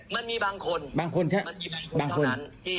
มันมีบางคนเท่านั้น